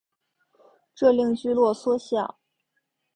这令聚落缩小。